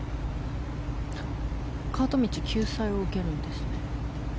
カート道救済受けるんですね。